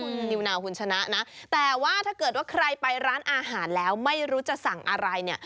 คุณนิวนาวคุณชนะนะแต่ว่าถ้าเกิดว่าใครไปร้านอาหารแล้วไม่รู้จะสั่งอะไรเนี่ย